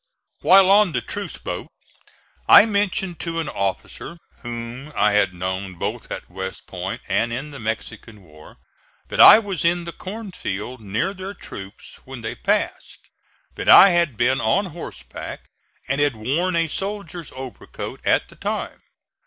While on the truce boat I mentioned to an officer, whom I had known both at West Point and in the Mexican war, that I was in the cornfield near their troops when they passed; that I had been on horseback and had worn a soldier's overcoat at the time.